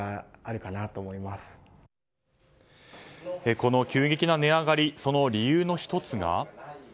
この急激な値上がりその理由の１つが。